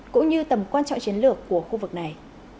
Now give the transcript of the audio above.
cũng như tầm quan trọng chiến lược của khu vực này